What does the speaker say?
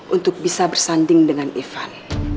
untuk bisa bersanding dengan ivan